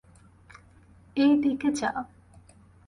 এই দিকে যা।